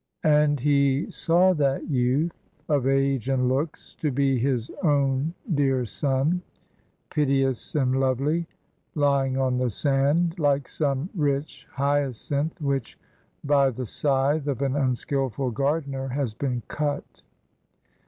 ] And he saw that youth, Of age and looks to be his own dear son, Piteous and lovely, lying on the sand, Like some rich hyacinth which by the scythe Of an unskillful gardener has been cut.